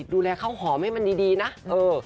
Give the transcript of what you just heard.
ดูแลข้าวหอมให้มันดีนะเออ